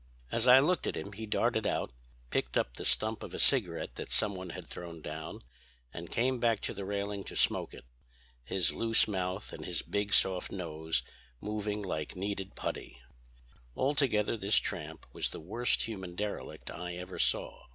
"As I looked at him he darted out, picked up the stump of a cigarette that some one had thrown down, and came back to the railing to smoke it, his loose mouth and his big soft nose moving like kneaded putty. "Altogether this tramp was the worst human derelict I ever saw.